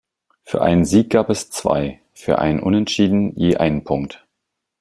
Für einen Sieg gab es zwei, für ein Unentschieden je einen Punkt.